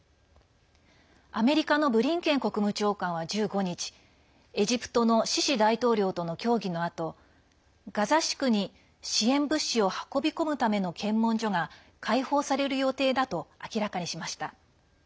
アメリカのブリンケン国務長官は１５日エジプトのシシ大統領との協議のあとガザ地区に支援物資を運び込むための検問所が開放される予定だと明らかにしました。